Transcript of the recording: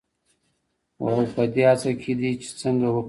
او پـه دې هـڅـه کې دي چـې څـنـګه وکـولـى شـي.